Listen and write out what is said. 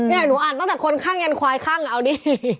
หนูอ่านตั้งแต่คนข้างยันควายข้างเอาดิ